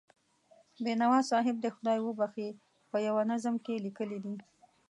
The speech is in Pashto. بینوا صاحب دې خدای وبښي، په یوه نظم کې یې لیکلي دي.